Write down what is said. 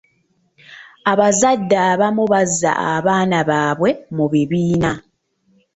Abazadde abamu bazza abaana baabwe mu bibiina.